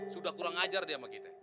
sudah kurang ajar dia sama kita